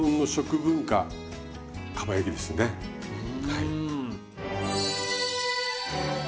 はい。